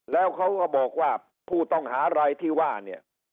แล้วเขาก็บอกว่าผู้ต้องหารายที่ว่าเนี่ย